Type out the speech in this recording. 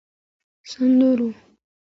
سدرو